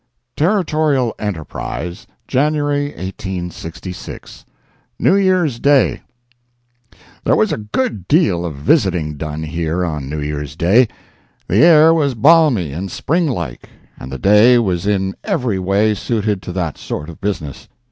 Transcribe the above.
Territorial Enterprise, January 1866 NEW YEAR'S DAY There was a good deal of visiting done here on New Year's Day. The air was balmy and spring like, and the day was in every way suited to that sort of business.